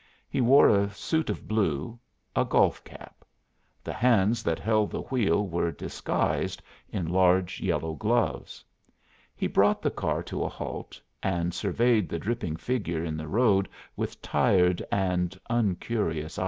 He wore a suit of blue, a golf cap; the hands that held the wheel were disguised in large yellow gloves. He brought the car to a halt and surveyed the dripping figure in the road with tired and uncurious eyes.